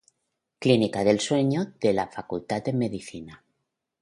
Clínica del Sueño de la Facultad de Medicina.